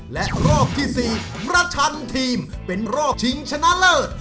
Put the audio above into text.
และรอบที่๔ประชันทีมเป็นรอบชิงชนะเลิศ